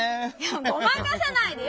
ごまかさないでよ！